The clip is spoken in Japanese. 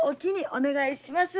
お願いします。